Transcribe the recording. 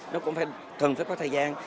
nó cũng cần phải có thời gian